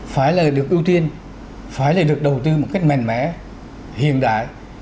phải được ưu tiên phải được đầu tư một cách mềm mẽ hiện đại